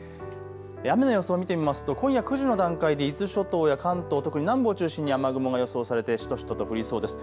雨の予想を見てみますと今夜９時の段階で伊豆諸島や関東、特に南部を中心に雨雲が予想されてしとしとと降りそうです。